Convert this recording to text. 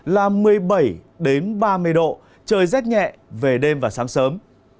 là một mươi bảy ba mươi độ trời rét nhẹ về đêm và sáng sớm